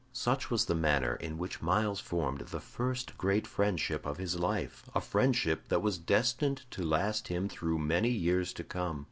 Such was the manner In which Myles formed the first great friendship of his life, a friendship that was destined to last him through many years to come.